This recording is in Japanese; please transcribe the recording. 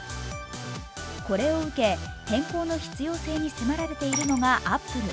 これを受け変更の必要性に迫られているのがアップル。